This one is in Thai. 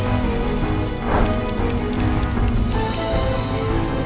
มันหลักไฟจนได้